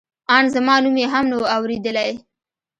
ان زما نوم یې هم نه و اورېدلی.